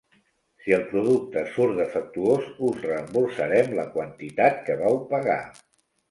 Si el producte surt defectuós, us reemborsarem la quantitat que vau pagar.